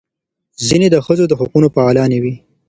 ځینې د ښځو د حقونو فعالانې وې.